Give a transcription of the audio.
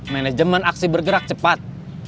manajemen aksi bergerak cepat